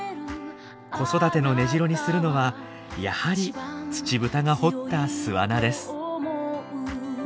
子育ての根城にするのはやはりツチブタが掘った巣穴です。